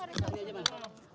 bikin di sini pak